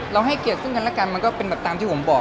ให้เกียรติซึ่งกันแล้วกันมันก็เป็นแบบตามที่ผมบอก